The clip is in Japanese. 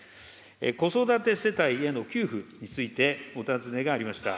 子育て世帯への給付についてお尋ねがありました。